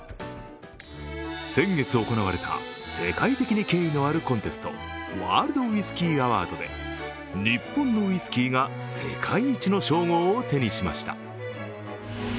先月行われた世界的に権威のあるコンテストワールド・ウイスキー・アワードで日本のウイスキーが世界一の称号を手にしました。